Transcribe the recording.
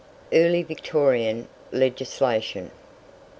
EARLY VICTORIAN LEGISLATION.